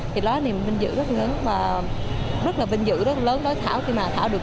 thì đó là niềm vinh dự rất lớn và rất là vinh dự